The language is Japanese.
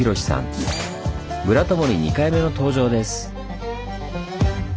「ブラタモリ」２回目の登場です。